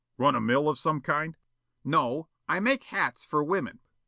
"Run a mill of some kind?" "No, I make hats for women."